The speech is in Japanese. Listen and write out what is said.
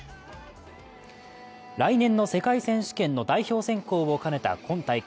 来年の世界選手権の代表選考を兼ねた今大会。